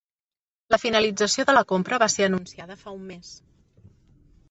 La finalització de la compra va ser anunciada fa un mes